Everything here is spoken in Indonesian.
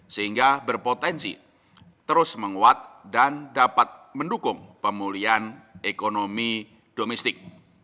sehingga berpotensi terus menguat dan dapat mendukung pemulihan ekonomi domestik